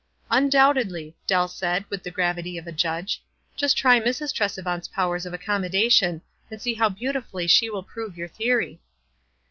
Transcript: "Undoubtedly," Dell said, with the gravity of a judge. " Just try Mrs. Tresevant's powers of accommodation ; and see how beautifully she will prove your theory."